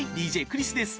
ＤＪクリスです。